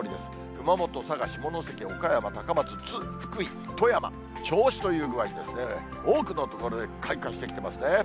熊本、佐賀、下関、岡山、高松、福井、富山、銚子という具合に、多くの所で開花してますね。